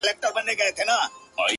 • یوه خولگۍ خو مسته ـ راته جناب راکه ـ